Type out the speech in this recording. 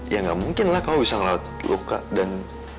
ya enggak mungkin lah kamu bisa merawat luka dan